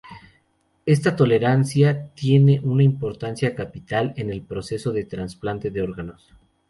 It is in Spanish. Esta tolerancia tiene una importancia capital en el proceso de trasplante de órganos.